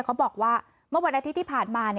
เขาบอกว่าเมื่อวันอาทิตย์ที่ผ่านมา